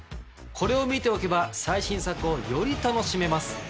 これを見ておけば最新作をより楽しめます。